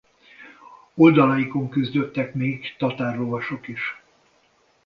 Oldalaikon küzdöttek még tatár lovasok is.